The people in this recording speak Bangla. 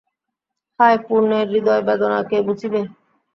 হায়, পূর্ণের হৃদয়বেদনা কে বুঝিবে?